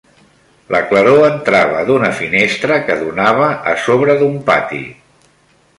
La claror, entrava d'una finestra que donava a sobre d'un pati